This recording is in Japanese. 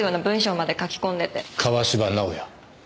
川芝直哉。